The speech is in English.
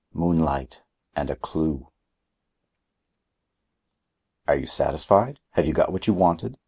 MOONLIGHT—AND A CLUE "Are you satisfied? Have you got what you wanted?"